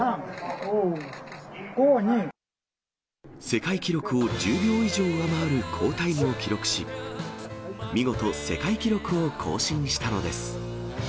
世界記録を１０秒以上上回る好タイムを記録し、見事世界記録を更新したのです。